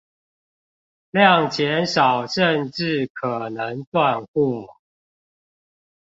量減少甚至可能斷貨